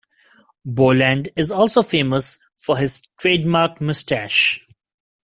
Boland is also famous for his trademark moustache.